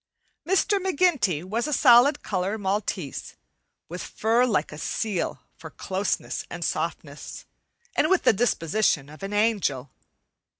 Mr. McGinty was a solid color maltese, with fur like a seal for closeness and softness, and with the disposition of an angel.